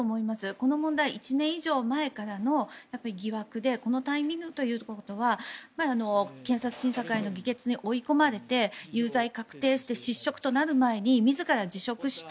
この問題、１年以上前からの疑惑でこのタイミングだということは検察審査会の議決に追い込まれて有罪確定して失職となる前に自ら辞職して